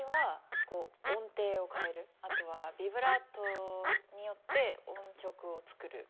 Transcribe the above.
あとはビブラートによって音色を作る。